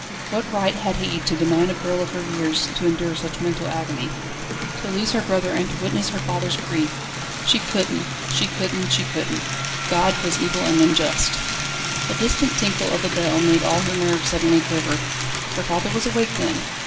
What right had He to demand a girl of her years to endure so much mental agony? To lose her brother, and to witness her father's grief! She couldn't! she couldn't! she couldn't! God was evil and unjust! A distant tinkle of a bell made all her nerves suddenly quiver. Her father was awake then?